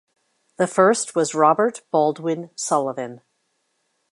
The first was Robert Baldwin Sullivan.